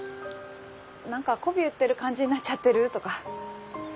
何かこび売ってる感じになっちゃってるとか。